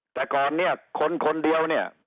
แต่ก่อนเนี่ยคนคนเดียวเนี่ย